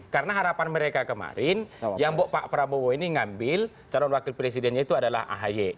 karena harapan mereka kemarin yang bok pak prabowo ini ngambil calon wakil presidennya itu adalah ahy